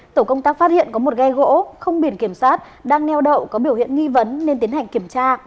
tổ công tác phát hiện có một ghe gỗ không biển kiểm soát đang neo đậu có biểu hiện nghi vấn nên tiến hành kiểm tra